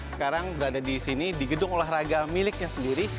sekarang berada di gedung olahraga miliknya sendiri